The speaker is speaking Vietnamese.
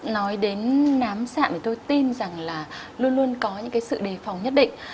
nói đến nám sạm thì tôi tin rằng là luôn luôn có những sự đề phòng nhất định